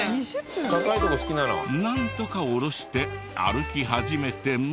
なんとか下ろして歩き始めても。